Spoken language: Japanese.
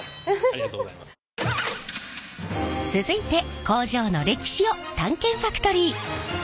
続いて工場の歴史を探検ファクトリー。